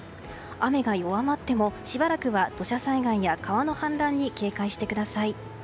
雨が弱まってもしばらくは土砂災害や川の氾濫に警戒してください。